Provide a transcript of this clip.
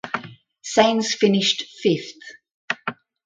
Sainz finished fifth.